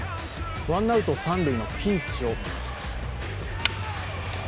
ワンアウト三塁のピンチを迎えます。